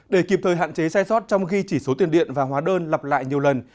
để kịp thời hạn chế sai sót trong ghi chỉ số tiền điện và hóa đơn lập lại nhiều lần